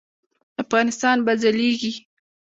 افغانستان به ځلیږي